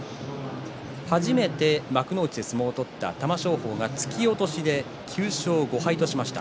初めて幕内で相撲を取った玉正鳳が突き落としで９勝５敗としました。